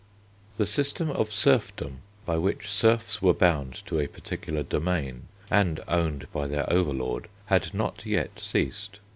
The system of serfdom, by which serfs were bound to a particular domain and owned by their overlord, had not yet ceased.